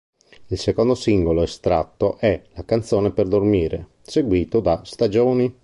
Il secondo singolo estratto è "La canzone per dormire", seguito da "Stagioni".